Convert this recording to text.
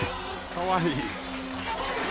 かわいい。